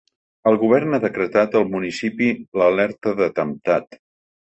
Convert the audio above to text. El govern ha decretat al municipi l’alerta d’atemptat.